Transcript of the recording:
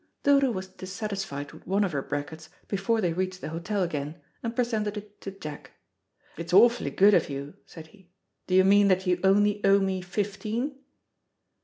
Dodo was dissatisfied with one of her brackets before they reached the hotel again, and presented it to Jack. "It's awfully good of you," said he; "do you mean that you only owe me fifteen?"